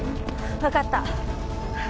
わかった。